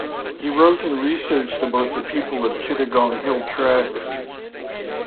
He wrote and researched about the people of Chittagong Hill Tracts.